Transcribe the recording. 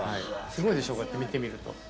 すごいでしょこうやって見てみると。